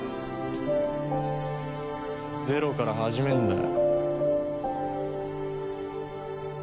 ０から始めんだよ。